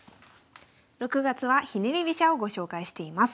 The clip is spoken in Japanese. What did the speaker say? ６月はひねり飛車をご紹介しています。